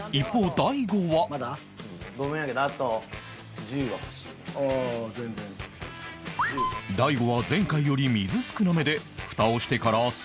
大悟は前回より水少なめで蓋をしてから３分半